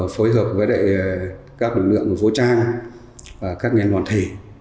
phối hợp với các lực lượng vũ trang và các ngành hoàn thể